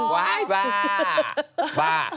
ว้ายบ้าบ้า